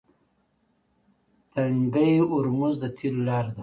تنګی هرمز د تیلو لاره ده.